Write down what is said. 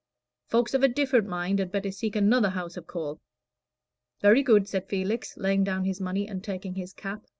Folks of a different mind had better seek another house of call." "Very good," said Felix, laying down his money and taking his cap.